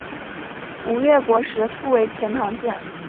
吴越国时复为钱唐县。